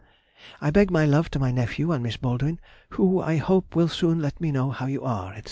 I beg my love to my nephew and Miss Baldwin, who, I hope, will soon let me know how you are, &c.